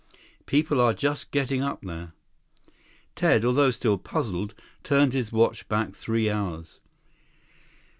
People are just getting up there." Ted, although still puzzled, turned his watch back three hours.